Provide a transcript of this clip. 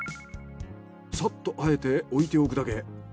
さっと和えて置いておくだけ！